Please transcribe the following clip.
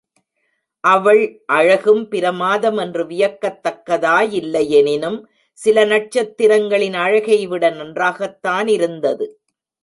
அவள் அழகும் பிரமாதம் என்று வியக்கத் தக்கதாயில்லை யெனினும் சில நட்சத்திரங்களின் அழகை விட நன்றாகத் தானிருந்தது.